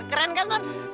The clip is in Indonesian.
keren kan ton